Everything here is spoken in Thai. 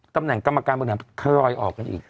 ตำแหน่งกรรมการบริหารทยอยออกกันอีก